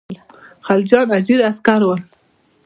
خلجیان اجیر عسکر ول.